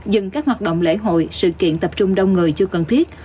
dừng các hoạt động lễ hội sự kiện tập trung đông người chưa cần thiết